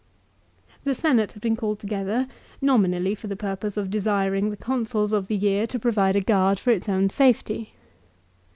The Senate had been called together, nominally for the purpose of desiring the Consuls of the year to provide a guard for its own safety.